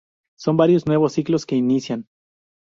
Son varios nuevos ciclos que inician.